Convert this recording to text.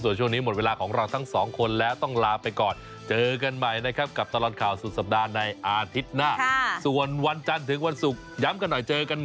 ส่วนช่วงนี้หมดเวลาของเราทั้งสองคนแล้วต้องลาไปก่อนเจอกันใหม่นะครับกับตลอนข่าวสุดสัปดาห์ในอาทิตย์หน้าน่ะค่ะ